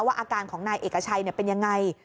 อาการของนายเอกชัยเป็นยังไง